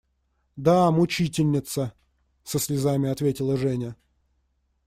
Да… мучительница! – со слезами ответила Женя.